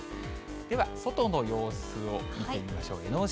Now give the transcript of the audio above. では外の様子を見てみましょう。